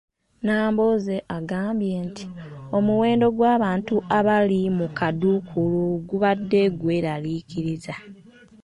Nambooze agambye nti omuwendo gw'abantu abali mu kaduukulu gubadde gweraliikiriza.